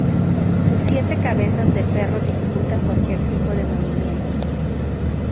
Sus siete cabezas de perro dificultaban cualquier tipo de movimiento.